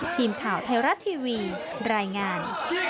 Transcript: ทีมข่าวไทยรัฐทีวีรายงาน